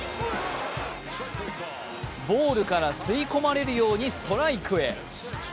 ボールから吸い込まれるようにストライクへ。